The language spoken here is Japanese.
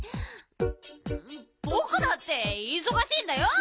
ぼくだっていそがしいんだよ。